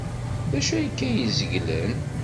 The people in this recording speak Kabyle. D acu akka ay zeglen?